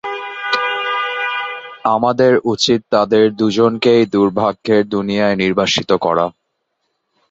আমাদের উচিত তাদের দুজনকেই দুর্ভাগ্যের দুনিয়ায় নির্বাসিত করা।